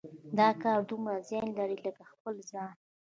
دا کار دومره زیان لري لکه د خپل ځان.